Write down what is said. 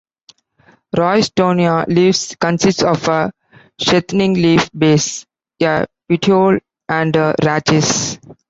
"Roystonea" leaves consist of a sheathing leaf base, a petiole, and a rachis.